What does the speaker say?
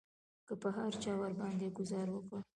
که به هر چا ورباندې ګوزار وکړ.